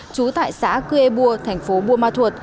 chú tại xã cư ê bua tp bumathua